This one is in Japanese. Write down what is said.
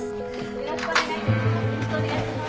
よろしくお願いします。